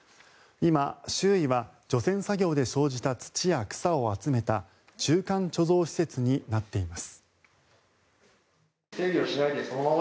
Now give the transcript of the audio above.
今、周囲は除染作業で生じた土や草を集めた中間貯蔵施設になっています。